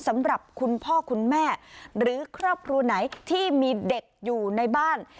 สำหรับคุณพ่อคุณแม่หรือครอบครัวไหนที่มีเด็กอยู่ในบ้าน